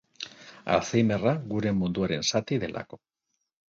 Alzheimerra gure munduaren zati delako.